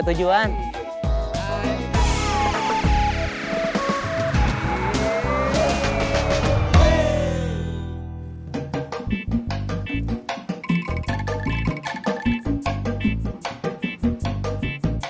bukan nasi bungkus